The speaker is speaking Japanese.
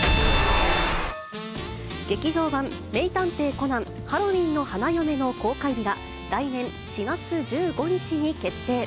劇場版名探偵コナン、ハロウィンの花嫁の公開日が、来年４月１５日に決定。